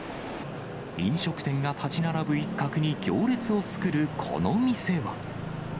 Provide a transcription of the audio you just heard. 飲食店が建ち並ぶ一角に行列を作る、この店は。